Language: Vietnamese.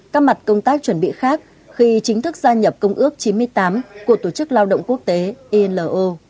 các mặt công tác chuẩn bị khác khi chính thức gia nhập công ước chín mươi tám của tổ chức lao động quốc tế ilo